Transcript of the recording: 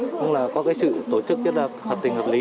cũng là có cái sự tổ chức rất là hợp tình hợp lý